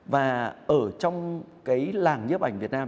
và ở trong cái làng nhếp ảnh việt nam